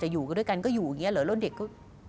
อยู่ด้วยกันก็อยู่อย่างนี้เหรอแล้วเด็กก็